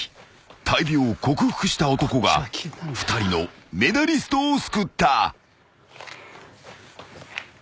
大病を克服した男が２人のメダリストを救った］